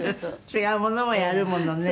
「違うものもやるものね」